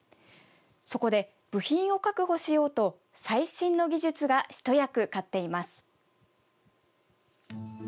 そこで、部品を確保しようと最新の技術が一役買っています。